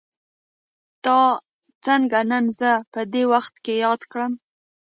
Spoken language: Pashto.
تا څنګه نن زه په دې وخت کې ياد کړم.